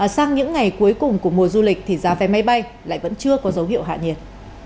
sang những ngày cuối cùng của mùa du lịch thì giá vé máy bay lại vẫn chưa có dấu hiệu hạ nhiệt